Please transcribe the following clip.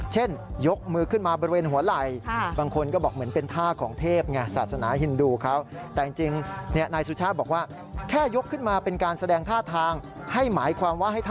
เช่นยกมือขึ้นมาบริเวณหัว